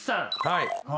はい。